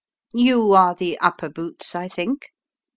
" You are the upper boots, I think